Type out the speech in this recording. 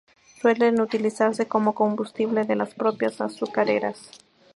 Suelen utilizarse como combustible de las propias azucareras.